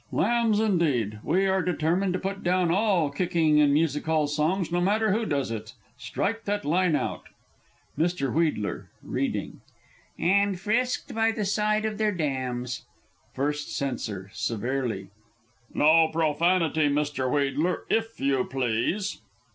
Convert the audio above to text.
_ Lambs, indeed! We are determined to put down all kicking in Music hall songs, no matter who does it! Strike that line out. Mr. W. (reading). "And frisked by the side of their dams." First Censor (severely). No profanity, Mr. Wheedler, if you please!